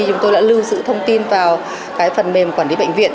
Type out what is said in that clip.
chúng tôi đã lưu giữ thông tin vào phần mềm quản lý bệnh viện